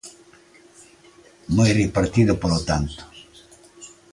Moi repartido polo tanto.